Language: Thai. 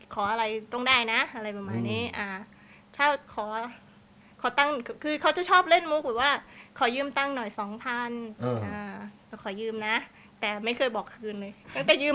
กินเอาไป๒๐๐๐บาทยังไม่ขึ้นเลย